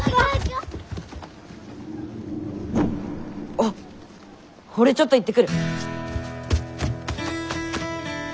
あっ俺ちょっと行ってくる！